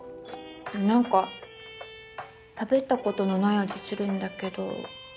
なんか食べた事のない味するんだけど。